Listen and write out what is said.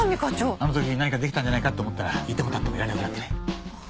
あの時何かできたんじゃないかって思ったらいてもたってもいられなくなってね。